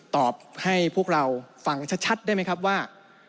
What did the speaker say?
ตอบให้พวกเราฟังชัดได้ไหมครับว่า